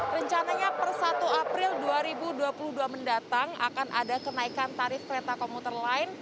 rencananya per satu april dua ribu dua puluh dua mendatang akan ada kenaikan tarif kereta komuter lain